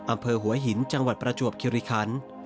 อำเภอหัวหินจังหวัดประจวบคิริคัน